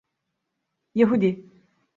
Yahudi…